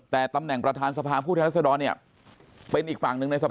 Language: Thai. แต่ตำแหน่งประธานสภาผู้แทนรัศดรเนี่ยเป็นอีกฝั่งหนึ่งในสภา